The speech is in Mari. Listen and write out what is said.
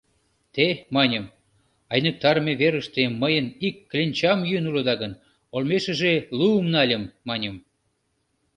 Те, маньым, айныктарыме верыште мыйын ик кленчам йӱын улыда гын, олмешыже луым нальым, маньым...